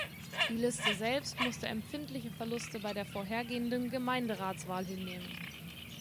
Die Liste selbst musste empfindliche Verluste bei der vorhergehenden Gemeinderatswahl hinnehmen.